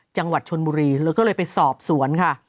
จังหวัดชนบุรีแล้วก็เลยไปสอบสวนค่ะ